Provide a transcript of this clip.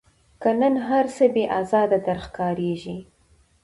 که نن هرڅه بې آزاره در ښکاریږي